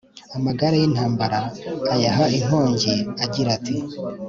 amagare y'intambara ayaha inkongi, agira ati